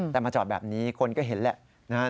แต่มาจอดแบบนี้คนก็เห็นแหละนะครับ